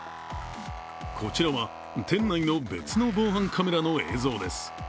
こちらは店内の別の防犯カメラの映像です。